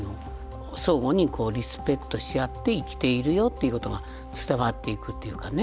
相互にリスペクトし合って生きているよっていうことが伝わっていくというかね。